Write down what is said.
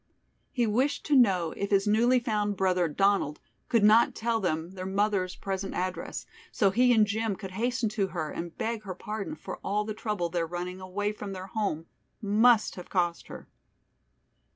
He wished to know if his newly found brother Donald could not tell them their mother's present address, so he and Jim could hasten to her and beg her pardon for all the trouble their running away from their home must have caused her.